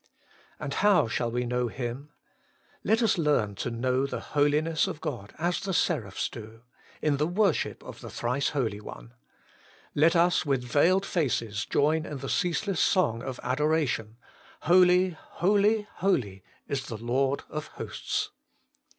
And how shall we know Him ? Let us learn to know the Holiness of God as the seraphs do : in the worship of the Thrice Holy One. Let us with veiled faces join in the ceaseless song of adoration :' Holy, holy, holy is the Lord of hosts.'